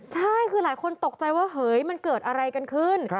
ใช่คือหลายคนตกใจว่าเฮ้ยมันเกิดอะไรกันขึ้น